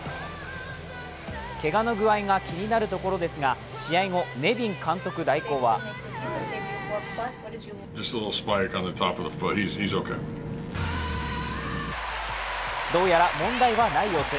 けがの具合が気になるところですが、試合後、ネビン監督代行はどうやら問題はない様子。